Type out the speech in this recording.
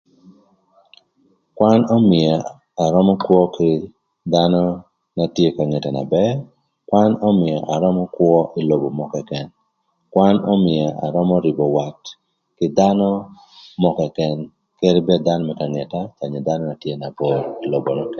Kwan ömïö arömö kwö kï dhanö na tye ka ngete na bër, kwan ömïa arömö kwö ï lobo mörö këkën, kwan ömïö arömö rïbö wat kï dhanö mörö këkën kede bed dhanö na tye ka ngeta onyo dhanö na tye na bor ï lobo nökënë.